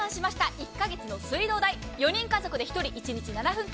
１カ月の水道代、４人家族で１人１日７分間